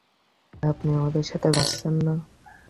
আপনি আমাদের সাথে যাচ্ছেন না?